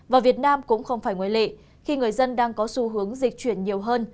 và việt nam cũng không phải ngoại lệ khi người dân đang có xu hướng dịch chuyển nhiều hơn